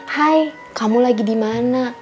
hai kamu lagi dimana